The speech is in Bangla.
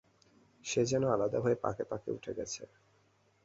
সে যেন আলাদা হয়ে পাকে পাকে উঠে গেছে।